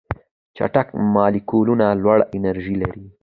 چټک مالیکولونه لوړه انرژي لري.